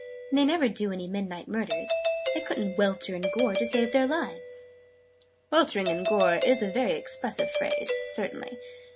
And they never do any Midnight Murders. They couldn't 'welter in gore,' to save their lives!" "'Weltering in gore' is a very expressive phrase, certainly.